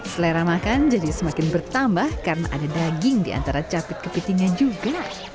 selera makan jadi semakin bertambah karena ada daging di antara capit kepitingnya juga